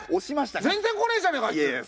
全然来ねえじゃねえかあいつ。